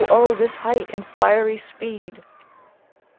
oh! This height and fiery speed!"